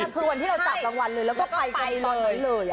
เพราะเว่นที่เราจับสังวัลเลยและก็ไปตอนนั้นเลย